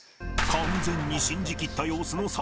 完全に信じ切った様子の酒井